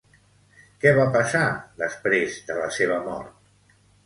Què va passar després de la seva mort?